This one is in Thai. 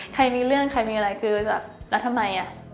ใครมีเรื่องใครมีอะไรคือแบบแล้วทำไม